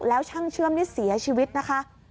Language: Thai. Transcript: แล้วช่างเชื่อมนี่เสียชีวิตนะคะ